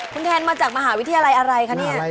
คุณแทนมาจากมหาวิทยาลัยอะไรคะเนี่ย